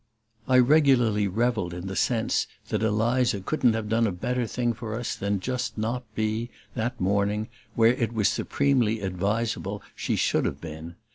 I regularly revelled in that sense that Eliza couldn't have done a better thing for us than just not be, that morning, where it was supremely advisable she should have been.